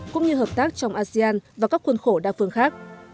cũng như hợp tác trong asean và các khuôn khổ đa phương khác